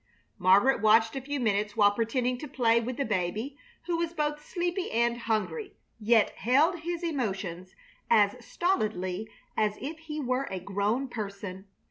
Margaret watched a few minutes, while pretending to play with the baby, who was both sleepy and hungry, yet held his emotions as stolidly as if he were a grown person.